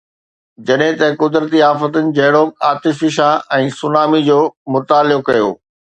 جڏهن ته قدرتي آفتن جهڙوڪ آتش فشان ۽ سونامي جو مطالعو ڪيو.